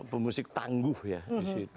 pemusik tangguh ya disitu